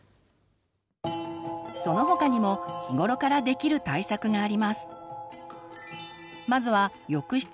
その他にも日頃からできる対策があります。